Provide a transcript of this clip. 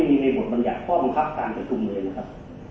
ไม่ได้หมดบรรยากษ์ข้อบังคับการประทุมเลยนะครับ